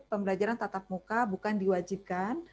pembelajaran tatap muka bukan diwajibkan